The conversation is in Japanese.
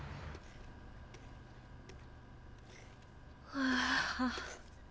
はあ